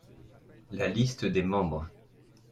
la liste des membres.